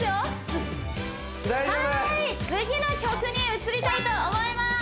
次の曲に移りたいと思います